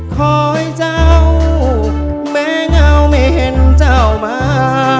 คอยเจ้าแม้เงาไม่เห็นเจ้ามา